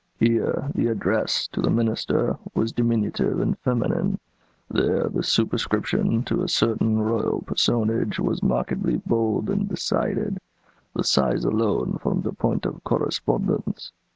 Here, the address, to the Minister, was diminutive and feminine; there the superscription, to a certain royal personage, was markedly bold and decided; the size alone formed a point of correspondence.